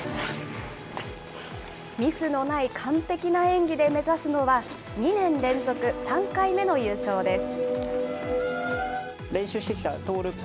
ミスのない完璧な演技で目指すのは、２年連続３回目の優勝です。